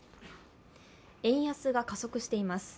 円安が加速しています。